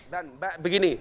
dan mbak begini